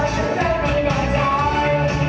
กินคุกอีดแววแค่